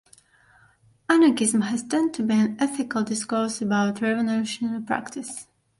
Anarchism has tended to be an ethical discourse about revolutionary practice.